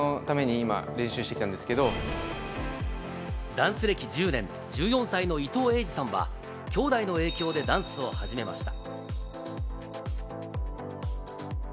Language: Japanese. ダンス歴１０年、１４歳の伊藤瑛史さんは、きょうだいの影響でダンスを始めました。